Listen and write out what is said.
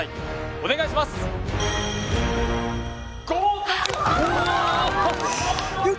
お願いします合格！